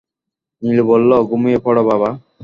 নীলু বলল, ঘুমিয়ে পড় বাবা।